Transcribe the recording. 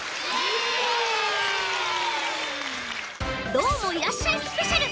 「どーもいらっしゃい！スペシャル」。